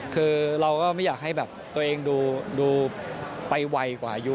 คือเราก็ไม่อยากให้แบบตัวเองดูไปไวกว่าอายุ